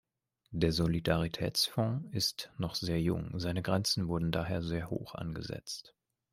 Der Solidaritätsfonds ist noch sehr jung, seine Grenzen wurden daher sehr hoch angesetzt.